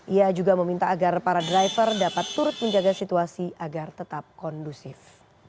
ia juga meminta agar para driver dapat turut menjaga situasi agar tetap kondusif